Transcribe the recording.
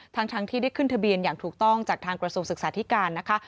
ทั้งที่ได้ขึ้นทะเบียนอย่างถูกต้องจากทางกระทรวงศึกษาธิการนะคะ